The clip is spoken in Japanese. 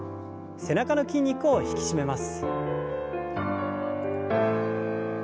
背中の筋肉を引き締めます。